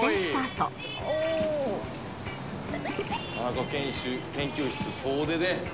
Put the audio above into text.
「田中研究室総出で。